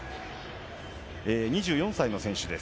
２４歳の選手です。